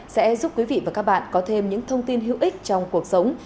sẽ giúp quý vị và các bạn có thêm những thông tin hữu ích trong cuộc sống